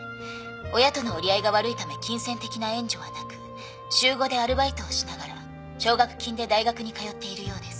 親との折り合いが悪いため金銭的な援助はなく週５でアルバイトをしながら奨学金で大学に通っているようです。